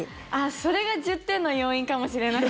それが１０点の要因かもしれない。